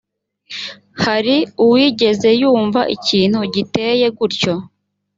hari uwigeze yumva ikintu giteye gutyo